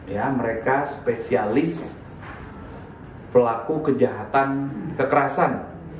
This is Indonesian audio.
ya mereka spesialis pelaku kejahatan kekerasan